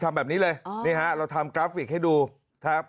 ทำแบบนี้เลยนี่ฮะเราทำกราฟิกให้ดูครับ